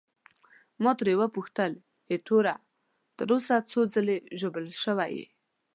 ما ترې وپوښتل: ایټوره، تر اوسه څو ځلي ژوبل شوی یې؟